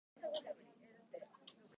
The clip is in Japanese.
なつめきんのすけ